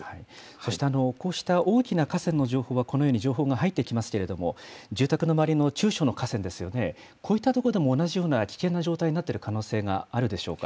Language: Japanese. そしてこうした大きな河川の情報はこのように情報が入ってきますけれども、住宅の周りの中小の河川ですよね、こういった所でも同じような危険な状態になっている可能性があるでしょうか。